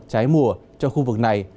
trái mùa trong khu vực này